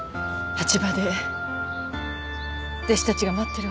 蜂場で弟子たちが待ってるわよ。